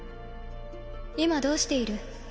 今どうしている？